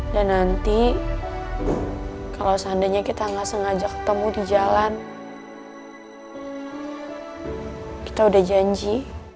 dan nanti kalau seandainya kita gak sengaja ketemu di jalan kita udah janji